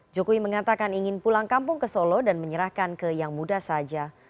jokowi mengatakan ingin pulang kampung ke solo dan menyerahkan ke yang muda saja